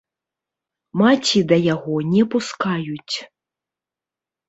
Маці да яго не пускаюць.